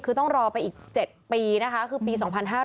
คือต้องรอไปอีก๗ปีคือปี๒๕๗๐